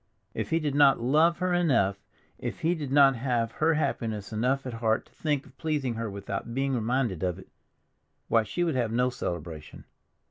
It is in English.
If he did not love her enough, if he did not have her happiness enough at heart to think of pleasing her without being reminded of it—why, she would have no celebration.